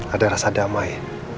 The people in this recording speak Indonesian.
ada rasa damai